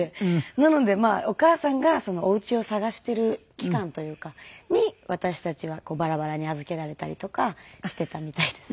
なのでお母さんがお家を探している期間というかに私たちがバラバラに預けられたりとかしていたみたいですね。